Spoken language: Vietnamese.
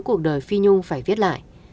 cuộc đời phi nhung phải viết lại